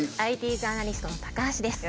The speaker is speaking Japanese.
ＩＴジャーナリストの高橋です。